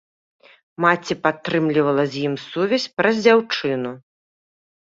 Маці падтрымлівала з ім сувязь праз дзяўчыну.